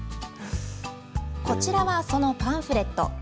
こちらはそのパンフレット。